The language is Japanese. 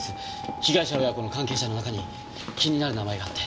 被害者親子の関係者の中に気になる名前があって。